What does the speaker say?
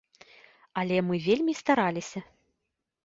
Але мы вельмі стараліся.